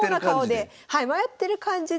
迷ってる感じで。